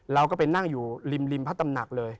เราก็ไปนั่งอยู่ริมพระตำหนักเลย